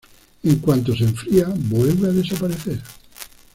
En cuanto se enfría, vuelve a desaparecer.